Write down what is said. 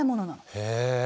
へえ。